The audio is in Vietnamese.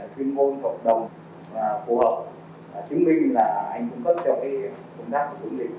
chuyên môn cộng đồng phù hợp chứng minh là anh cũng cấp cho công tác phòng chống dịch